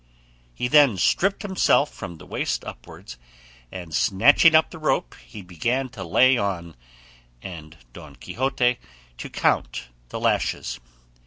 He then stripped himself from the waist upwards, and snatching up the rope he began to lay on and Don Quixote to count the lashes.